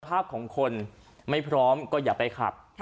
ภาพของคนไม่พร้อมก็อย่าไปขับ